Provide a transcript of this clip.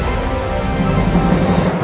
assalamualaikum warahmatullahi wabarakatuh